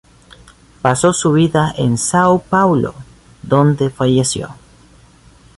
Pasó su vida en São Paulo, donde falleció.